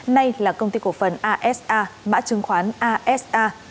nay là công ty cổ phần asa mã chứng khoán asa